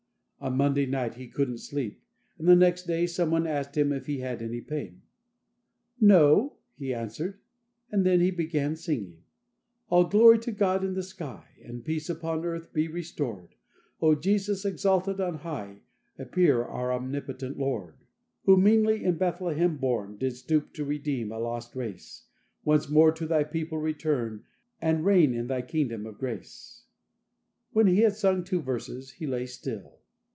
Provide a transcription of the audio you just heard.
On Monday night he couldn't sleep, and the next day, some one asked him if he had any pain. "No," he answered. And then he began singing: "All glory to God in the sky, And peace upon earth be restored; O, Jesus exalted on high, Appear our omnipotent Lord. Who meanly in Bethlehem born, Didst stoop to redeem a lost race; Once more to Thy people return, And reign in Thy kingdom of grace." When he had sung two verses, he lay still.